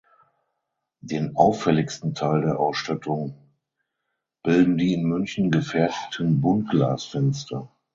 Den auffälligsten Teil der Ausstattung bilden die in München gefertigten Buntglasfenster.